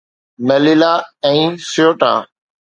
Ceuta ۽ Melilla